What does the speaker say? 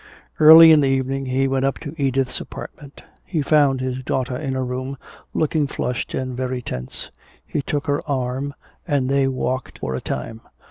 Early in the evening he went up to Edith's apartment. He found his daughter in her room, looking flushed and very tense. He took her arm and they walked for a time.